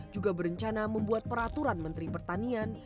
juga berencana membuat peraturan menteri pertanian